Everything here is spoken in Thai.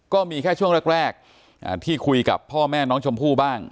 ก็มีแค่ช่วงแรกที่คุยกับพ่อแม่น้องชมพู่บ้าง